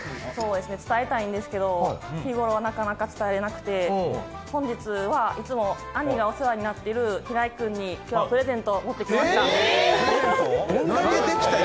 伝えたいんですけど、日頃なかなか伝えられなくて、本日はいつも兄がお世話になっている平井君に今日はプレゼントを持ってきました。